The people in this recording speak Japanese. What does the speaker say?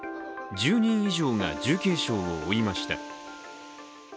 １０人以上が重軽傷を負いました。